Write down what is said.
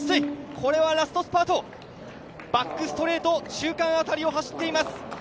これはラストスパート、バックストレート中間辺りを走っています。